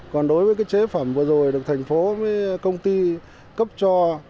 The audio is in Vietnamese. còn đối với cái chế phẩm vừa rồi được thành phố với công ty cấp cho